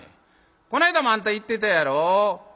こないだもあんた行ってたやろ？